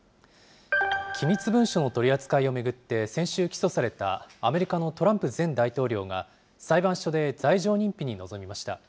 機密文書の取り扱いを巡って先週起訴されたアメリカのトランプ前大統領が、裁判所で罪状認否に臨みました。